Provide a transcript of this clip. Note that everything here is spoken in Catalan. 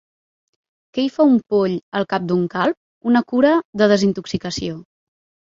-Què hi fa un poll, al cap d'un calb? Una cura de desintoxicació.